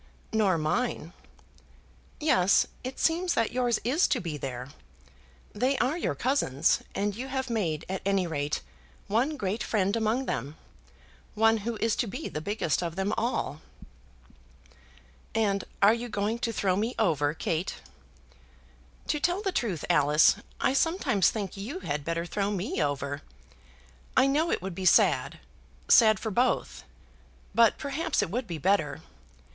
"Nor mine." "Yes; it seems that yours is to be there. They are your cousins, and you have made at any rate one great friend among them, one who is to be the biggest of them all." "And you are going to throw me over, Kate?" "To tell the truth, Alice, I sometimes think you had better throw me over. I know it would be sad, sad for both, but perhaps it would be better.